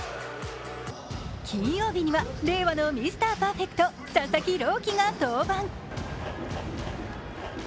金曜日には令和のミスターパーフェクト、佐々木朗希が登板。